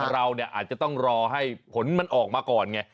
เราเนี่ยอาจจะต้องรอให้ผลมันออกมาก่อนไง